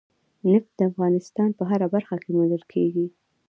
نفت د افغانستان په هره برخه کې موندل کېږي.